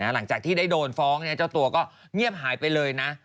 หลังจากที่ได้โดนฟ้องเจ้าตัวก็เงียบหายไปเลยนะ